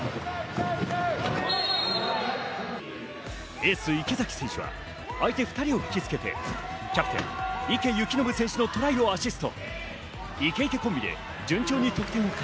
エース・池崎選手は相手２人を引きつけてキャプテン池透暢選手のトライをアシスト。